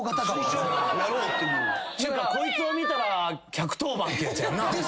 こいつを見たら１１０番ってやつやなぁ。